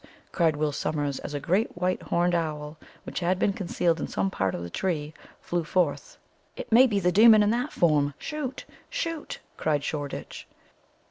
cried Will Sommers, as a great white horned owl, which had been concealed in some part of the tree, flew forth. "It may be the demon in that form shoot! shoot!" cried Shoreditch.